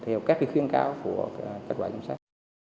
theo các khuyến cáo của kết quả giám sát